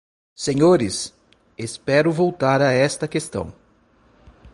Senhores, espero voltar a esta questão.